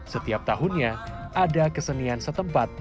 setiap tahunnya ada kesenian setempat